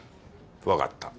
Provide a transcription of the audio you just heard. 分かった。